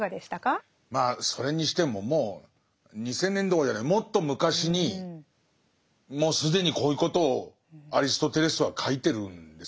まあそれにしてももう２，０００年どころじゃないもっと昔にもう既にこういうことをアリストテレスは書いてるんですね。